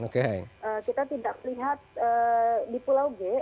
kita tidak lihat di pulau g